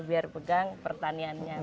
biar pegang pertaniannya